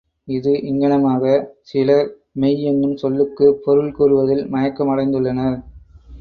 இது இங்ஙனமாக, சிலர் மெய் என்னும் சொல்லுக்குப் பொருள் கூறுவதில் மயக்கம் அடைந்துள்ளனர்.